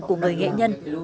của người nghệ nhân